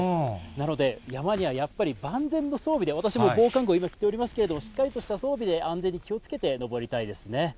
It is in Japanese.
なので、山にはやっぱり万全の装備で、私も防寒具を今着ておりますけれども、しっかりとした装備で、安全に気をつけて登りたいですね。